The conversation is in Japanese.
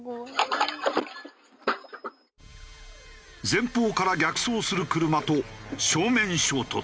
前方から逆走する車と正面衝突。